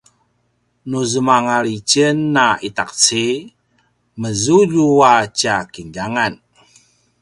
nu zemangal itjen a itaqeci mezulju a tja kinljangan